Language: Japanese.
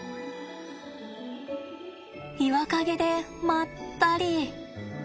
岩陰でまったり。